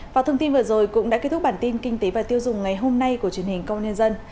vào thông tin vừa rồi cũng đã kết thúc bản tin kinh tế và tiêu dùng ngày hôm nay của truyền hình công an nhân dân